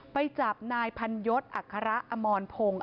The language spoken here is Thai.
ไปจับนายพันยศอัคระอมรพงศ์